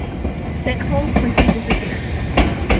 Sithole quickly disappeared.